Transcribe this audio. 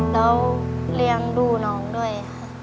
แล้วเลี้ยงดูน้องด้วยค่ะ